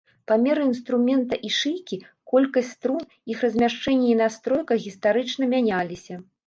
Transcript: Памеры інструмента і шыйкі, колькасць струн, іх размяшчэнне і настройка гістарычна мяняліся.